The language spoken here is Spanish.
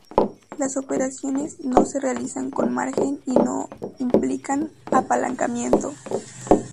Las operaciones no se realizan con margen y no implican apalancamiento.